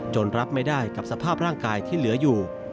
รับไม่ได้กับสภาพร่างกายที่เหลืออยู่